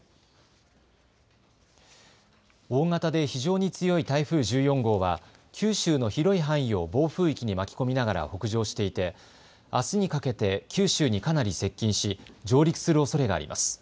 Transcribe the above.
大型で非常に強い台風１４号は九州の広い範囲を暴風域に巻き込みながら北上していてあすにかけて九州にかなり接近し上陸するおそれがあります。